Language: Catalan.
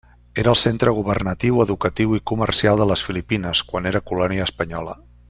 Era el centre governatiu, educatiu i comercial de les Filipines quan era colònia espanyola.